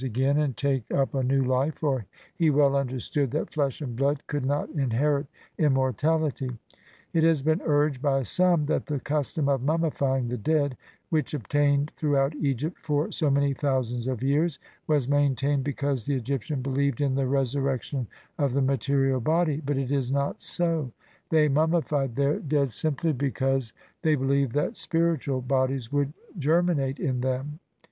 again and take up a new life, for he well understood that flesh and blood could not inherit immortality. It has been urged by some that the custom of mummi fying the dead, which obtained throughout Egypt for so many thousands of years, was maintained because the Egyptian believed in the resurrection of the ma terial body, but it is not so ; they mummified their dead simply because they believed that spiritual bodies would "germinate" in them.